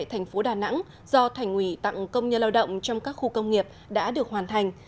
thành phố đà nẵng do thành ủy tặng công nhân lao động trong các khu công nghiệp đã được hoàn thành